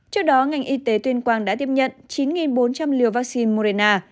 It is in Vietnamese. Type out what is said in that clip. trước đó ngành y tế tuyên quang đã tiếp nhận chín bốn trăm linh liều vaccine morena